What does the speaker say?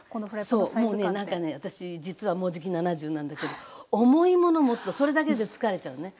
そうもうねなんかね私実はもうじき７０なんだけど重いもの持つとそれだけで疲れちゃうのね。